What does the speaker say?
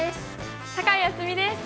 酒井蒼澄です。